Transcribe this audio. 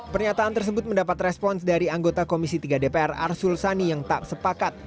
pernyataan tersebut mendapat respons dari anggota komisi tiga dpr arsul sani yang tak sepakat